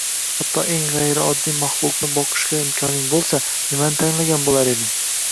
hatto eng g‘ayrioddiy maxluqni boqishga imkoning bo‘lsa, nimani tanlagan bo‘lar eding?